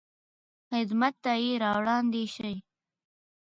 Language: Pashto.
خدمت ته یې راوړاندې شئ.